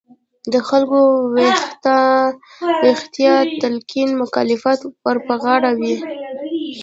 د خلکو ویښتیا تلقین مکلفیت ور په غاړه وي.